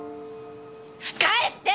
帰って！